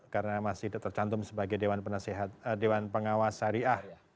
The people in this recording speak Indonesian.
karena masih tercantum sebagai dewan pengawas syariah